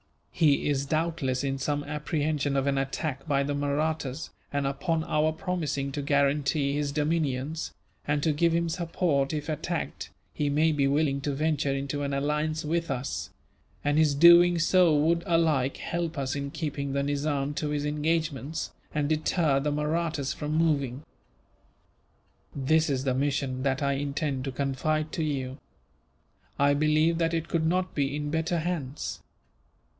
He is doubtless in some apprehension of an attack by the Mahrattas and, upon our promising to guarantee his dominions, and to give him support if attacked, he may be willing to venture into an alliance with us; and his doing so would, alike, help us in keeping the Nizam to his engagements, and deter the Mahrattas from moving. "This is the mission that I intend to confide to you. I believe that it could not be in better hands.